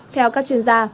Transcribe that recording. theo các chuyên gia